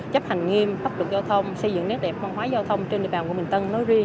chấp hành nghiêm pháp luật giao thông xây dựng nét đẹp văn hóa giao thông trên địa bàn của bình tân nói riêng